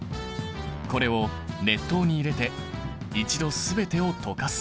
これを熱湯に入れて一度全てを溶かす。